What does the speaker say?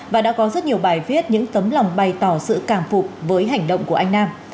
và đã có rất nhiều bài viết những tấm lòng bày tỏ sự cảm phục với hành động của anh nam